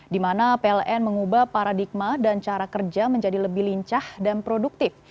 di mana pln mengubah paradigma dan cara kerja menjadi lebih lincah dan produktif